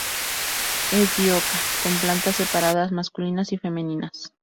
Es dioica, con plantas separadas masculinas y femeninas.